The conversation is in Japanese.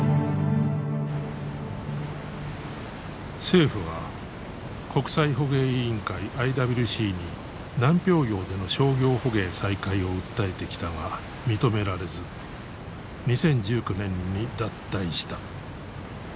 政府は国際捕鯨委員会ＩＷＣに南氷洋での商業捕鯨再開を訴えてきたが認められず２０１９年に脱退した。